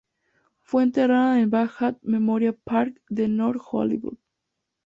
Fue enterrada en el Valhalla Memorial Park, de North Hollywood.